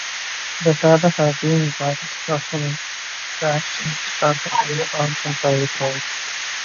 Their father had been a director of Blackstone's Chicago and Alton Railroad.